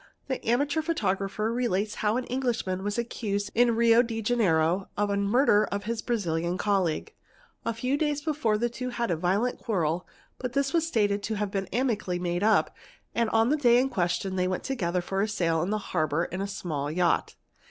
"The Amateur Photographer" relates how an Englishman was accus in Rio de Janeiro of the murder of his Brazilian colleague. A few day before the two had a violent quarrel but this was stated to have Dee amicably made up and on the day in question they went together for sail in the harbour in a small yacht.